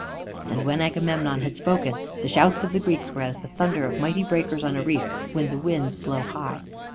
And when Agamemnon had spoken, the shouts of the Greeks were as the thunder of mighty breakers on a reef when the winds blow high.